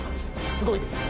すごいです。